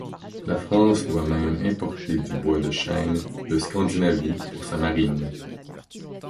La France doit même importer du bois de chêne de Scandinavie pour sa marine.